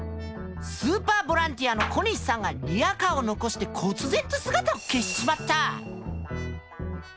スーパーボランティアの小西さんがリアカーを残してこつ然と姿を消しちまった！